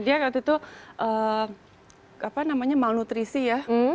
dia waktu itu malnutrisi ya